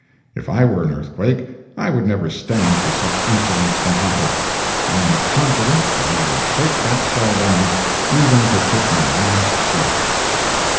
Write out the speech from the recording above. If I were an earthquake, I would never stand for such insolence from Popper. I am confident that I would shake that shell down, even if it took my last shake.